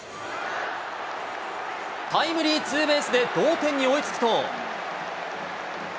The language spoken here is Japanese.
タイムリーツーベースで同点に追いつくと。